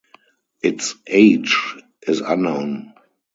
Its age is unknown.